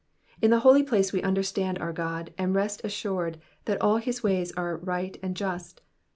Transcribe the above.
In the holy place we understand our Qod, and rest assured that all his ways are just and right.